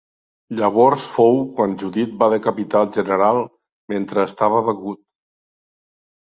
Llavors fou quan Judit va decapitar el general mentre estava begut.